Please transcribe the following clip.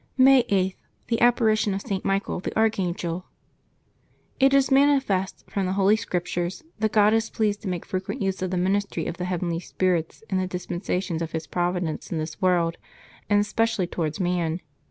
May 8.— THE APPARITION OF ST. MICHAEL THE ARCHANGEL. IT is manifest, from the Holy Scriptures, that God is pleased to make frequent use of the ministry of the heavenly spirits in the dispensations of His providence in this world, and especially towards man.